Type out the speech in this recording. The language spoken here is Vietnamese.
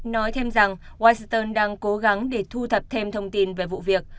nói thêm rằng washington đang cố gắng để thu thập thêm thông tin về vụ việc